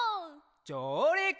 じょうりく！